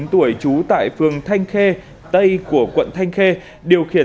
ba mươi chín tuổi trú tại phường thanh khê tây của quận thanh khê